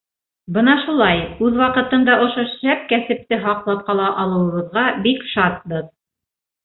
Бына шулай, үҙ ваҡытында ошо шәп кәсепте һаҡлап ҡала алыуыбыҙға бик шатбыҙ.